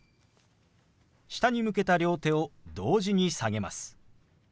下に向けた両手を同時に下げます。